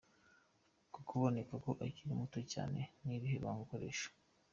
ko uboneka ko ukiri muto cyane, ni irihe banga ukoresha?.